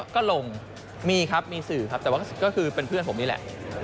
ก็ลงมีครับมีสื่อครับแต่ว่าก็คือเป็นเพื่อนผมนี่แหละ